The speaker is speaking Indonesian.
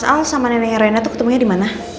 mas al sama neneknya rena tuh ketemuanya dimana